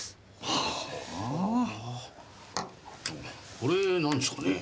これ何ですかね？